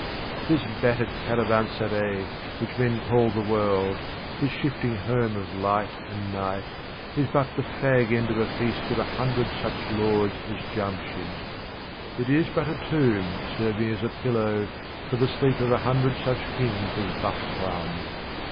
This battered caravanserai which men call the world, this shifting home of light and night, is but the fag end of a feast of a hundred such lords as Jamshid. It is but a tomb serving as a pillow for the sleep of a hundred such kings as Bahram.